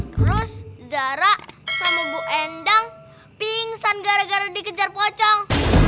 terus zara sama bu endang pingsan gara gara dikejar pocong